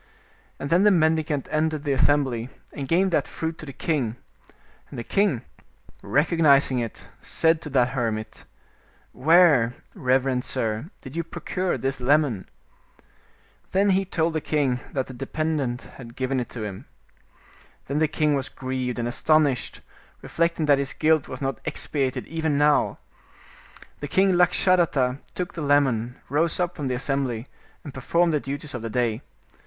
And then the mendi cant entered the assembly, and gave that fruit to the king, and the king, recognizing it, said to that hermit, " Where, reverend sir, did you procure this lemon?" Then he told the king that the dependent had given it to him. Then the king was grieved and astonished, reflecting that his guilt was not expiated even now. The king Lakshadatta took the lemon, rose up from the assembly, and performed the duties of the day.